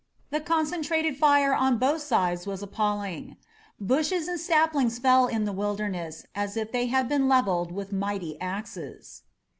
The concentrated fire on both sides was appalling. Bushes and saplings fell in the Wilderness as if they had been levelled with mighty axes.